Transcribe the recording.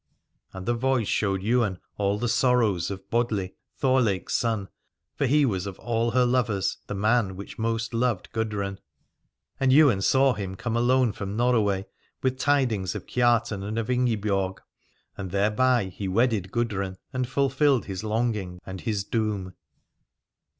And the voice showed Ywain all the sorrows of Bodli, Thorleik's son : for he was of all her lovers the man which most loved Gudrun. And Ywain saw him come alone from Norro way with tidings of Kiartan and of Ingibiorg ; and thereby he wedded Gudrun and fulfilled his longing and his doom.